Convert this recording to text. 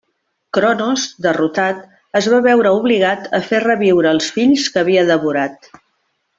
Cronos, derrotat, es va veure obligat a fer reviure els fills que havia devorat.